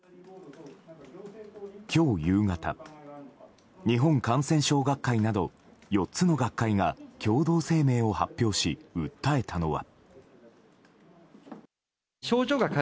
今日夕方、日本感染症学会など４つの学会が共同声明を発表し、訴えたのは。